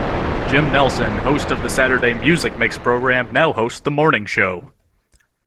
Jim Nelson, host of the Saturday "Music Mix" program, now hosts the morning show.